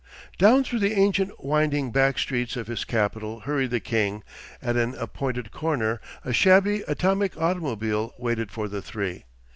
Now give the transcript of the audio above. Down through the ancient winding back streets of his capital hurried the king, and at an appointed corner a shabby atomic automobile waited for the three.